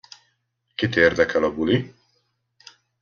Kit érdekel a buli?